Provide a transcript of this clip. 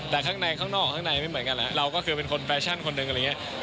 แต่ข้างในข้างนอกข้างในไม่เหมือนกันแล้วเราก็คือเป็นคนแฟชั่นคนหนึ่งอะไรอย่างนี้